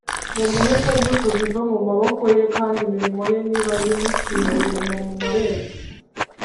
mumuhe ku mbuto ziva mu maboko ye, kandi imirimo ye nibayimushimire mu marembo